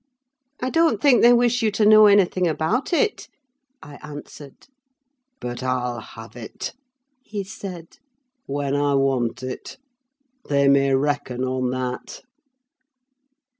"I don't think they wish you to know anything about it," I answered. "But I'll have it," he said, "when I want it. They may reckon on that!"